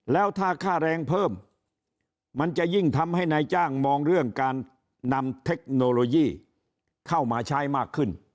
แล้วถ้าค่าแรงเพิ่มมันจะยิ่งทำให้นายจ้างมองเรื่องการนำเทคโนโลยีเข้ามาใช้มากขึ้น